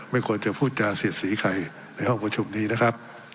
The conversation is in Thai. ไม่ควรจะพูดจาเสียดสีใครในห้องประชุมนี้นะครับ